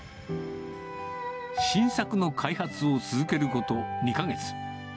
新作の開発を続けること２か月。